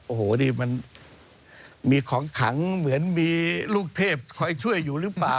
โอ้โหนี่มันมีของขังเหมือนมีลูกเทพคอยช่วยอยู่หรือเปล่า